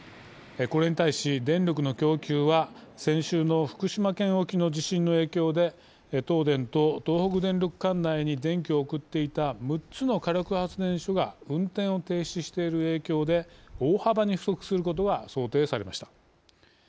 これに対し、電力の供給は先週の福島県沖の地震の影響で東電と東北電力管内に電気を送っていた６つの火力発電所が運転を停止している影響で大幅に不足することが想定されました。